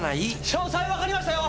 詳細わかりましたよ！